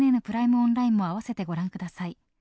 オンラインも併せてご覧ください。